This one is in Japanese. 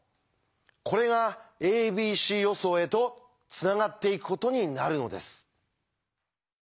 これが「ａｂｃ予想」へとつながっていくことになるのです。